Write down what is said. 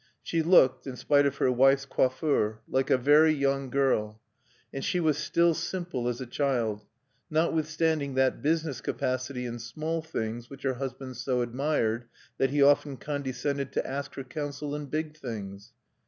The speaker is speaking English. She looked, in spite of her wife's coiffure, like a very young girl; and she was still simple as a child, notwithstanding that business capacity in small things which her husband so admired that he often condescended to ask her counsel in big things.